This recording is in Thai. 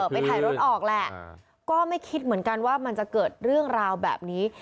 ไปถ่ายรถออกแหละก็ไม่คิดเหมือนกันว่ามันจะเกิดเรื่องราวแบบนี้